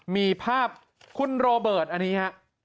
มีภาพคุณโรเบิร์ตอันนี้ฮะ